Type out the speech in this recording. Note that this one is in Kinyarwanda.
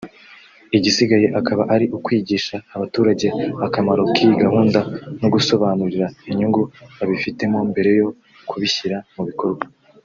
igisigaye akaba ari ukwigisha abaturage akamaro k’iyi gahunda no gusobanurira inyungu babifitemo mbere yo kubishyira mu bikorwa